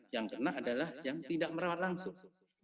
yang kena adalah yang tidak merawat langsung